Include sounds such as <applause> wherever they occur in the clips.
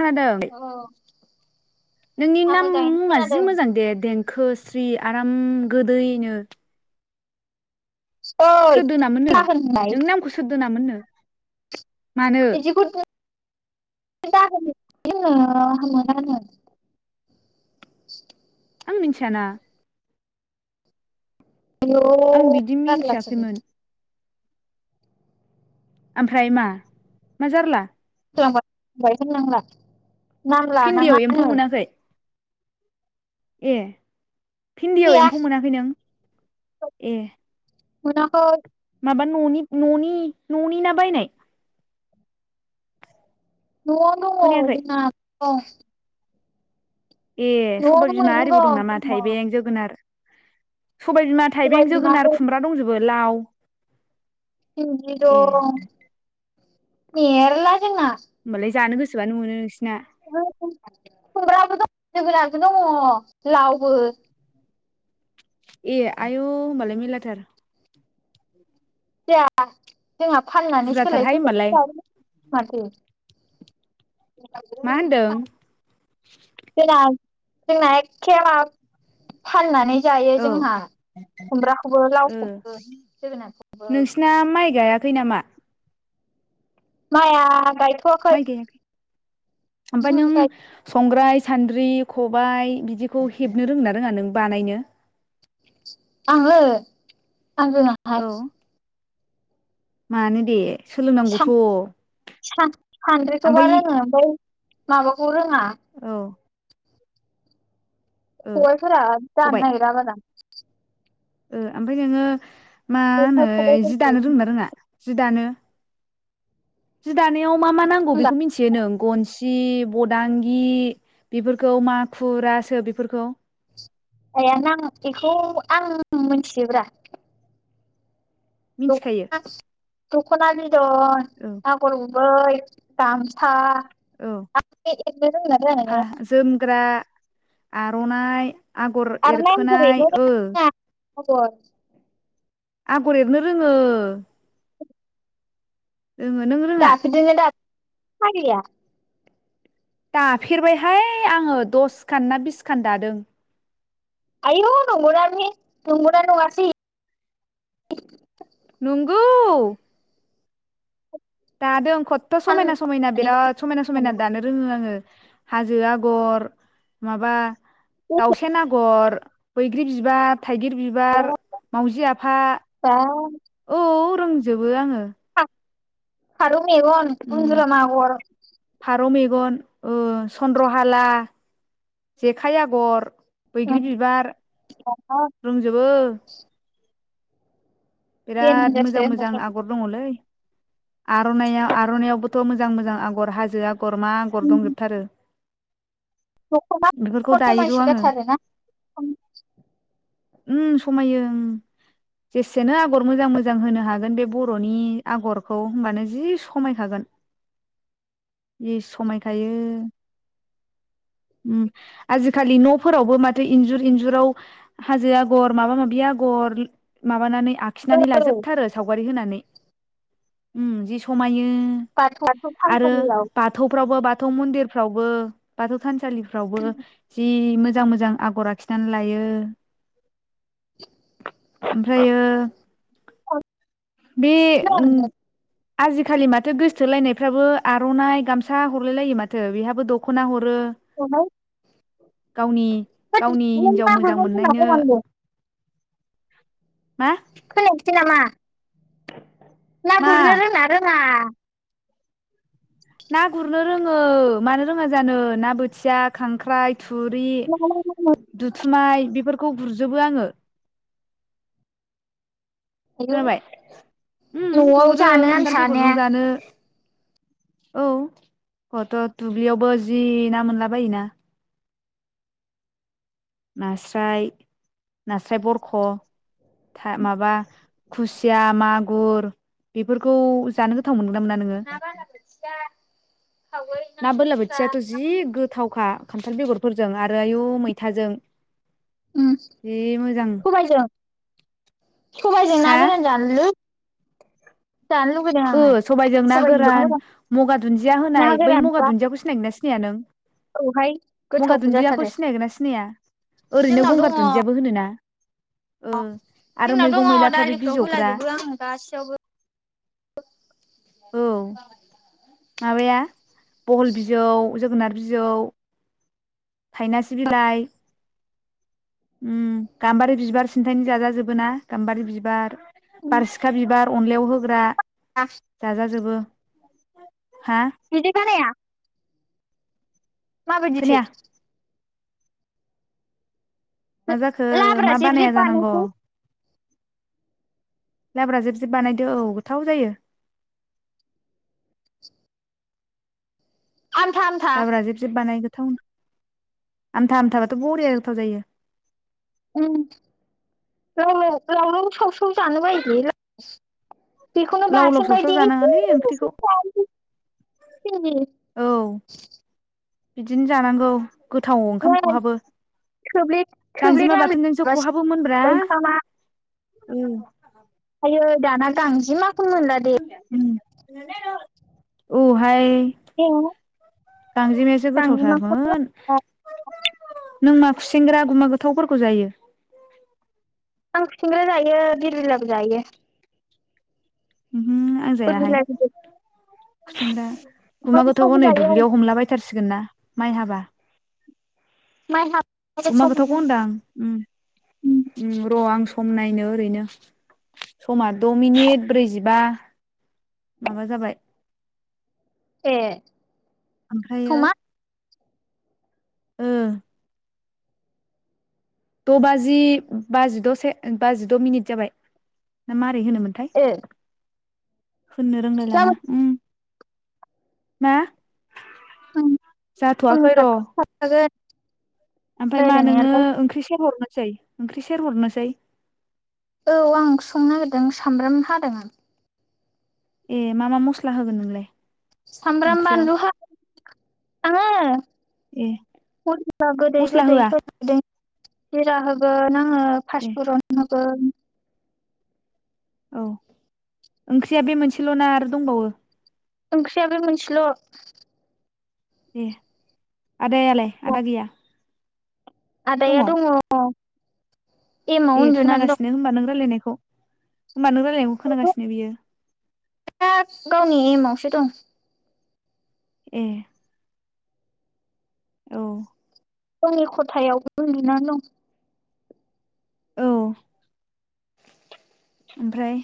खोनादों? औ नोंनि आं नाम मोजाङैनो मुङा खोनादों। जि मोजां दे देंखो स्रि आराम गोदैनो। ओइ सोर दोनामोन नो? दाहोन होननाय नोंनि नामखौ सोर दोनामोननो? मानो इदिखौ दाहोन <unintelligible> मोनानो। <inaudible> आं मिनथियाना। <unintelligible> आं बिदि जारलासो मिथियाखैमोन नोंजों। आमफ्राय मा? मा जारला? <unintelligible> होननांला। नाम भिन्दियाव एम्फौ लानाङानो मोनाखै? ए भिन्दियाव फैया एम्फौ मोनाखै नों? एह। मोनाखै। माबा न'नि न'नि न'नि ना बायनाय? न'आव नो दङ खोनायाखै जोंना दं। ए सबाय न'आवनो मैगं बिमा आरिबो दं नामा? जोंना थायबें जोगोनार सबाइ बिमा, सबाय थाइबें, बिमा जोगोनार, दं खुमब्रा दंजोबो लाव? दं ए मेरला। जोंना होमबालाय जानो गोसोबानो मोनो नोंसि खुमब्राबो दं, जोगोनारबो दङ, लावबो। ए आयु होमबालाय मेलाथार। जाया जोंहा फाननानै सोलाय बुरजाथारहाय होमबालाय सोल'सो लाबोयो माथो। मा होनदों? जोंना जोंना एखे मा फाननानै जायो औ जोंहा खुमब्राखौबो, ओ लावखौबो, जोगोनारखौबो। खै नामा? माया गाय माइ गायाखै? ओमफाय नों संग्राय सानद्रि, खबाय बिदिखौ हेबनो रोंङोना रोङा नों बानायनो? आङो आं रोङाहाय। औ मानो दे? सोलोंनांगौथ' ओमफ्राय सान-सान-सान्द्रिखौबा रोङो ओमफाय माबाखौ रों औ। ओ खबाइफोरा जानो खबाइ नागेरा बारा। ओ ओमफाय नोङो मा होनो जेखाइ जि दानो रोङो खबाइफोरखौ ना रोङा, जि दानो? जि दानायाव मा मा नांगौ बेखौ मिन्थियो नों? गनसि, बदांगि बेफोरखौ माखु, रासो बेफोरखौ? आया नां एखौ आं मोनथियोब्रा। मिथिखायो दखना दख'ना बिदुन औ आगर गु बै, गामसा, औ आर'नाइ एरनो रोंगोना रोङा फा नोङो जोमग्रा, आर'नाइ आगर एरखोनाय ओ। खबर। आगर एरनो रोङो। रोङो नों रोङा? दाखोदोनो <unintelligible> दाफेरबायहाय आङो दसखान ना बिसखान दादों। आयु नंगौदा बि नंगौ ना नङासै। नंगौ। दादों खटथ' समायना समायना साननानै बिराद समायना समायना दानो रोङो आङो। हाजो आगर माबा दावसेन आगर। बैग्रि बिबार थाइगिर बिबार मावजि आफा बा औ। फोरोंजोबो आङो। फारौ मेग उम गुज्रमा आगर फारौ ओ सन्द्र हाला जेखाइ आगर बैग्रि बिबार रोंजोबो। बिराद मोजां देनजारसो दख'ना मोजां आगर दङलै। आर'नाय आर'नायइावबोथ' मोजां मोजां आगर हाजो आगर मा आगर दंजोबथारो। बेफोरखौ दायो र' आङो <unintelligible> ओम समायो जेसेनो आगर मोजां मोजां होनो हागोन बे। बर'नि आगरखौ होनबानो जि समायखागोन। जि समायखायो। <inaudible> आजिखालि न'फोरावबो माथो इन्जुर इन्जुराव हाजो आगर माबा माबि आगर म <unintelligible> माबानानै आखिनानै लाजोबथारो सावगारि होनानै जि समायो। <unintelligible> आरो बाथौफ्रावबो बाथौ मन्दिरफ्रावबो बाथौ थानसालिफ्रावबो जि मोजां। मोजां मोजां आगर आखिनानै लायो। ओमफ्रायो बे। ना आजिखालि माथो गोसथोलायनायफ्राबो आर'नाइ गामसा हरलाय लायो माथो बेहाबो दख'ना हरो गुरनो गावनि गावनि रोंना हिनजाव मोजां रोङा मोननायनो। मा? <inaudible> ना मा गुरनो रोङोना रोङा? ना गुरनो रोङो मानो रोङा जानो ना बोथिया खांख्राइ थुरि दुथुमाय बेफोरखौ गुरजोबो आङो आयौ खोनाबाय उम न'आव गुरो जानो खान्थाल आन्था ने बेगरजों जानो। औ हथ' दुब्लियावबो जि ना मोनला बायोना नास्राय नास्राय बरख' माबा खुसिया मागुर बेफोरखौ जानो गोथाव मोनो ना बालाबोथिया। सावगारि ना लथिया बोरलाबोथियाथ' ना मा जि होनो गोथावखा खान्थाल बेगरफोरजों आरो। आयु मैथाजों। उम जि मोजां। सबायजों सबायजों ना हा गोरान जानोलै। आङो सबायजों ना गोरान सबायजों मगा दुन्दिया ना होनाय बै मगा गोरानबा दुन्दियाखौ सिनायगोन ना सिनाया नों? औहाय मुगा गोथाव दुन्दियाखौ जाथारो सिनायगोन ना सिनाया? ओरैनो गंगार दुन्दियाबो होनोना। ओ अ आरो जोंनाव दङ मैगं मैलाफ्रा बे दालिखौ बिजौफ्रा होलाजोबो आं गासैयावबो। औ। माबाया बहल बिजौ जोगोनार बिजौ। थाइनासे बिलाइ। उम गाम्बारि बिबार सिन्थाय जाजाजोबो ना गाम्बारि बिबार बारसिखा बिबार अनलायाव होग्रा जाजाजोबो हा <unintelligible> माबादि थो? खोनाया मा जाखो लाब्रा मा जेब जेब बानाया जानांगौ। बानायसै लाब्रा जेब जेब बानायदो औ गोथाव जायो। आमथा आमथा लाब्रा जेब जेब बानाय गोथावनो आमथा आमथाबाथ' बरिया गोथाव जायो। औ। राव रावलाव साव साव जानो बायोलै। बेखौनो लाव लाव बाथोन सावसाव बायदि एसे जानाङालै ओंख्रिखौ एसे जायो। औ <unintelligible> बिदिनो जानांगौ गोथाव नै ओंखामखौहाबो थोब्ले थोब्ले गांजिमा बाथोनजोंसो' माब्ले खहाबोमोनब्रा ओंखामा औ आइयै दाना गांजेमाखौ मोनला दे औहाय गांजेमायासो गांजेमाखौ गोथावथारमोन नों मा खुसेंग्रा गुमा गोथावफोरखौ जायो आं खुसेंग्रा जायो बिर बिलाबो जायो। बिरबिलाबो जायो खुसिंग्रा गुमा गोथाव हनै जायो दुब्लियाव हमलाबायथारसिगोन ना माइ हाबा मा माय? गुमा गोथाखौ होनदांं र' आं सम नायनो ओरैनो समा द' मिनिट ब्रैजिबा माबा जाबाय ए ओमफ्रायो समा ओ द बाजि बाजिदसे बाजिद मिनिट जाबाय ना मा ओइ होनोमोनथाय ए होननो रोंलाय लाङा ओ मा गाबोन समनि जाथ'वाखै र' खाथियाव थाखागोन ओमफ्राय मा नोङो रायलायनायालाय ओंख्रि सेर हरनोसै ओंख्रि सेर हरनोसै। औ आं ओंख्रि संनो नागिरदों सामब्राम हादों आं ए मा मा मस्ला होगोन नोंलाय? सामब्राम ओंख्रियाव बानलुहा आङो ए मस्ला होआ <unintelligible> जिरा होगोन आङो दे फासटफुरन होगोन। औ ओंख्रिया बे मोनसेल' न आरो दंबावो। ओंख्रिया बे मोनसेल' दे आदायालाय आदा गैया आदाया दङ एमाव ए उन्दुनानै खोनागासिनो होनोमबा नों रायलायनायखौ होनबा नों रायलायनायखौ दं खोनागासिनो बियो दा गावनि एम आवसो दं ए औ गावनि खथायाव उन्दुनानै दं औ ओमफ्राय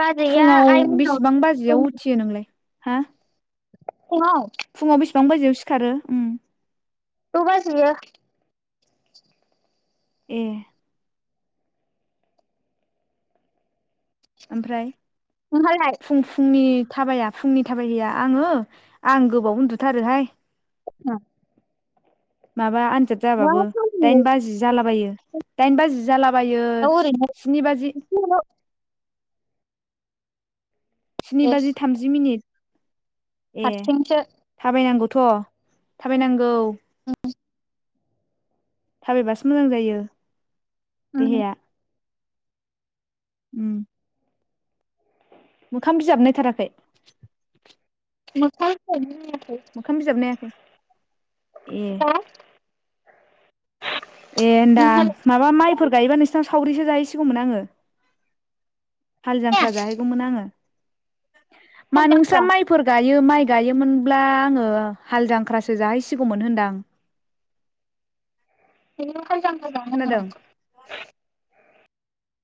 बाजैया फुङाव आइ मोननाव बेसेबां बाजियाव उथियो नोंलाय? हा फुंयाव फुङाव बेसिबां बाजियाव सिखारो उम? द' बाजियो। ए। ओमफ्राय नोंहालाय फुं फुंनि थाबाया फुंनि थाबायहैया आङो आं गोबाव उन्दुथारोहाय हा माबा आनजाद जाबाबो खालामनो दाइन बाजि जालाबायो। दाइन बाजि जालाबायो औ ओरैनो स्नि बाजि <unintelligible> स्नि बाजि एसे थामजि मिनिट ए हारसिंसो थाबायनांगौथ' थाबायनांगौ। <unintelligible> थाबायबासो मोजां जायो उम देहाया उम मोखाम बिजाब नायथाराखै? मोखां <unintelligible> मोखां बिजाबनायाखै ए हा ए होनदां नोंहालाय माबा माइफोर गायोबा <inaudible> नोंसनावसो सावरिसो जाहैसिगौमोन आङो हाल जांख्रा खाल जाहैगौमोन आङो। मा नोंस्रा जांख्रा माइफोर गाय यो माइ गायोमोनब्ला आङो हाल जांख्रासो जाहैसिगौमोन होनदां। बेखौ हाय खोनादों <unintelligible>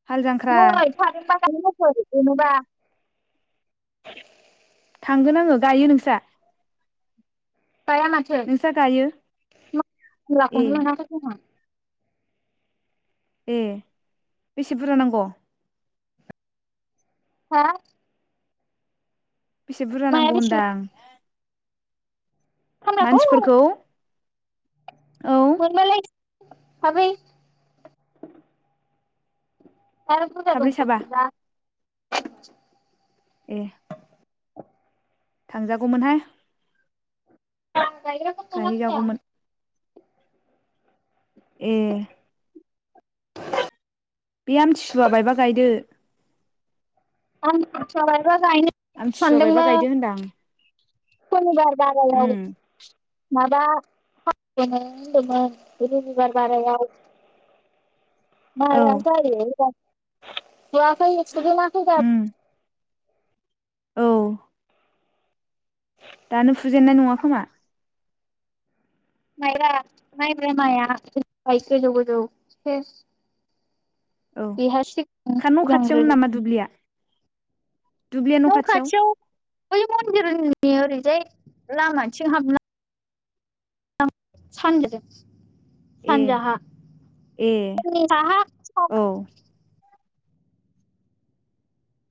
हाल जांख्रा नै थारें <inaudible> थांगोन आङो गायो नोंस्रा? गाया माथो नोंस्रा गायो खामला ए खौनो मोनाखै जोंहा। ए बेसे बुरजा नांगौ? हा? बेसे बुरजा माया नांगौ बेसे होनदां? मानसिफोरखौ औ <inaudible> <inaudible> साब्रै साबा <inaudible> ए। थांजागौमोनहाय। गायहैजागौमोन <inaudible> ए। बे आमथिसुवा बायबा गायदो। आमथिसुवा बायबा गायदो होनदां <inaudible> उम <inaudible> <inaudible> औ <inaudible> उम <inaudible> औ। दानो फुजेनन्नाय नङा खोमा? <inaudible> बेहा सिगां औ न' खाथियावनो सिगांग्रोदों नामा दुब्लिया? दुब्लिया न' खाथियाव? बै मन्दिरनि ओरैजाय लामाथिं हाबलां <inaudible> ए सानजाहा। ए औ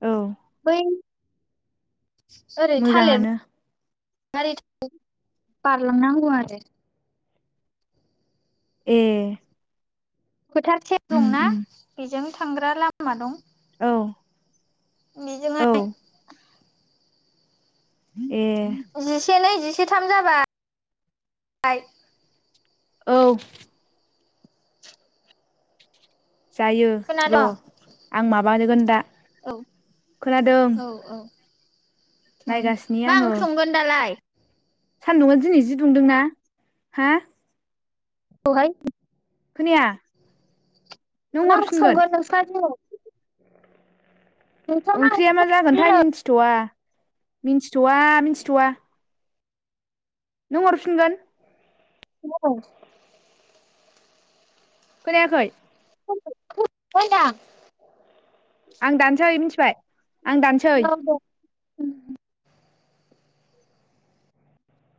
औ। बै ओरै थालिर मोजाङानो <inaudible> ए। फोथार सेर उम दंना उम बेजों थांग्रा लामा दं। औ औ बेजोंहाय ए जिसे नै जिसे थाम जाबाय‌ औ जायो र' खोनादों आं माबारगोन। औ औ औ उम मा ओंख्रि संगोन दालाय? सान्दुंआ दिनै जि दुंदोंना हा औहाय खोनाया नों मा ओंख्रि हरफिनगोन संगोन नोंस्रा दिनै नोंस्रा ओंख्रिया ओंख्रि मा जागोनथाय दिनै मिन्थिथ'वा। मिन्थिथ'वा मिन्थिथ'वा। नों हरफिनगोन <unintelligible> खोनायाखै <unintelligible> आं दानसै मिन्थिबाय आं दानसै। औ दे